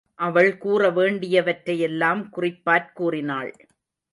அவள் கூற வேண்டியவற்றை எல்லாம் குறிப்பாற் கூறினாள்.